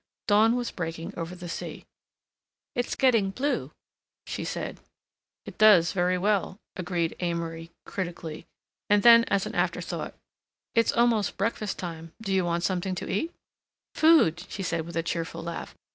Dawn was breaking over the sea. "It's getting blue," she said. "It does very well," agreed Amory critically, and then as an after thought: "It's almost breakfast time—do you want something to eat?" "Food—" she said with a cheerful laugh.